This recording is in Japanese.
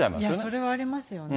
それはありますよね。